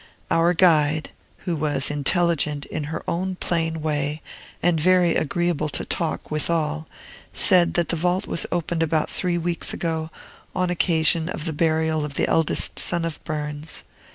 Our guide (who was intelligent, in her own plain way, and very agreeable to talk withal) said that the vault was opened about three weeks ago, on occasion of the burial of the eldest son of Burns.